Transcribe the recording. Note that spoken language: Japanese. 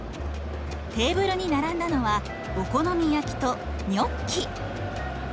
テーブルに並んだのはお好み焼きとニョッキ。